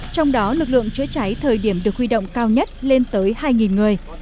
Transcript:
trong đó lực lượng chữa cháy thời điểm được huy động cao nhất lên tới hai người